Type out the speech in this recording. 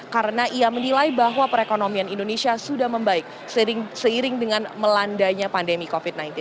karena ia menilai bahwa perekonomian indonesia sudah membaik seiring dengan melandainya pandemi covid sembilan belas